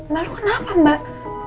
mbak lo kenapa mbak